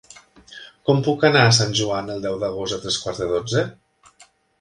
Com puc anar a Sant Joan el deu d'agost a tres quarts de dotze?